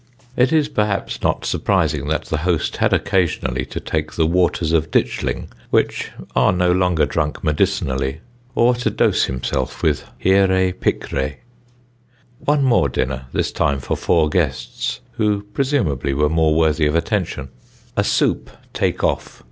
It is perhaps not surprising that the host had occasionally to take the waters of Ditchling, which are no longer drunk medicinally, or to dose himself with hieræ picræ. One more dinner, this time for four guests, who presumably were more worthy of attention: A soup take off.